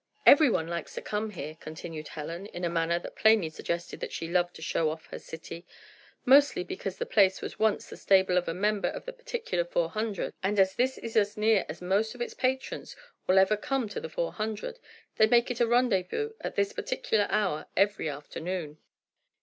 "Everyone likes to come here," continued Helen, in a manner that plainly suggested that she loved to show off her city, "mostly because the place was once the stable of a member of the particular four hundred, and as this is as near as most of its patrons will ever come to the four hundred, they make it a rendezvous at this particular hour every afternoon."